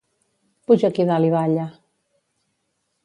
Puja aquí dalt i balla!